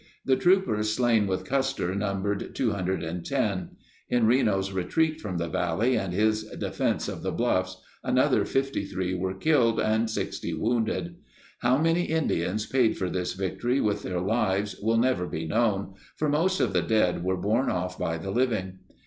The troopers slain with Custer numbered 210. In Reno's retreat from the valley and his defense of the bluffs, another 53 were killed and 60 wounded. How many Indians paid for this victory with their lives will never be known, for most of the dead were borne off by the living.